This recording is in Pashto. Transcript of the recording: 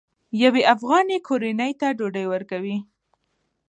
یوه افغاني کورنۍ ته ډوډۍ ورکوئ.